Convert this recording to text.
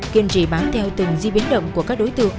kiên trì bám theo từng di biến động của các đối tượng